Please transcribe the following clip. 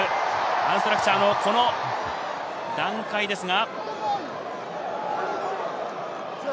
アンストラクチャーの段階ですが。